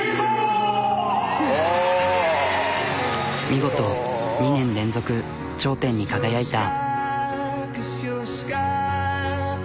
見事２年連続頂点に輝いた。